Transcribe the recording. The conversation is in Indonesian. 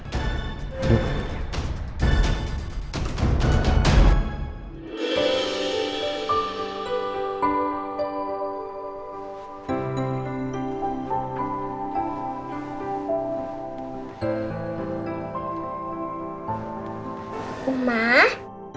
lalu kita balik ke rumah